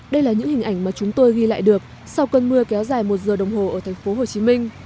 đây là những hình ảnh mà chúng tôi ghi lại được sau cơn mưa kéo dài một giờ đồng hồ ở tp hcm